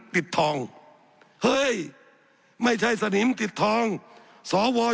สับขาหลอกกันไปสับขาหลอกกันไป